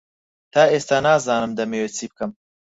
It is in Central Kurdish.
تا ئێستا نازانم دەمەوێت چی بکەم.